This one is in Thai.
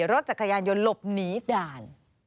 รถจักรยานยนต์หลบหนีด่าน